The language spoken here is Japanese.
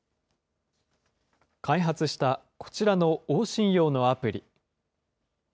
開発したこちらの往診用のアプリ。